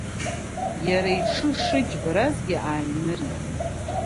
Иара иҽы шыџьбаразгьы ааинырит.